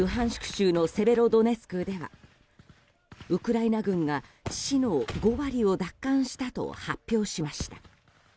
州のセベロドネツクではウクライナ軍が市の５割を奪還したと発表しました。